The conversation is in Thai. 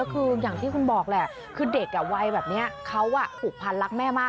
คืออย่างที่คุณบอกแหละคือเด็กวัยแบบนี้เขาผูกพันรักแม่มาก